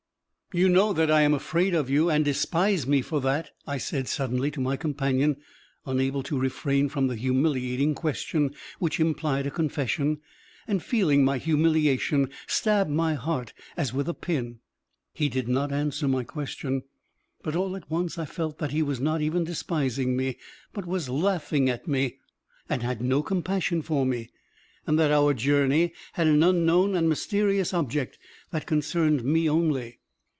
"You know that I am afraid of you and despise me for that," I said suddenly to my companion, unable to refrain from the humiliating question which implied a confession, and feeling my humiliation stab my heart as with a pin. He did not answer my question, but all at once I felt that he was not even despising me, but was laughing at me and had no compassion for me, and that our journey had an unknown and mysterious object that concerned me only.